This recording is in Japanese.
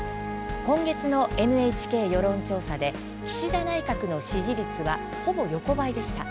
今月のＮＨＫ世論調査で岸田内閣の支持率はほぼ横ばいでした。